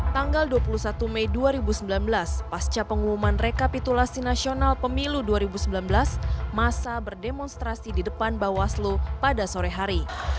tanggal dua puluh satu mei dua ribu sembilan belas pasca pengumuman rekapitulasi nasional pemilu dua ribu sembilan belas masa berdemonstrasi di depan bawaslu pada sore hari